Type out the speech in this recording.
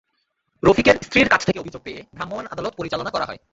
রফিকের স্ত্রীর কাছ থেকে অভিযোগ পেয়ে ভ্রাম্যমাণ আদালত পরিচালনা করা হয়।